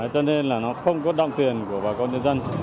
cho nên là nó không có động tiền của bà con nhân dân